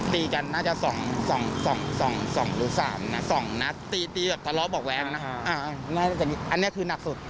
ตีกันน่าจะ๒หรือ๓นาทีจากทะเลาะบอกแวงอันนี้คือนักสุด